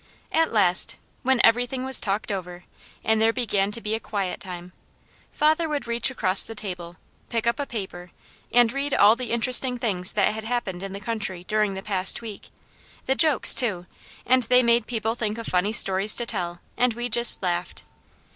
At last, when every thing was talked over, and there began to be a quiet time, father would reach across the table, pick up a paper and read all the interesting things that had happened in the country during the past week; the jokes too, and they made people think of funny stories to tell, and we just laughed.